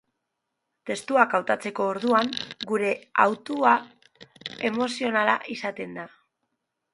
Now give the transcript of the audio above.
Testuak hautatzeko orduan, gure hautua emozionala izaten da.